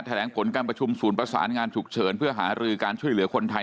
แถลงผลการประชุมศูนย์ประสานงานฉุกเฉินเพื่อหารือการช่วยเหลือคนไทย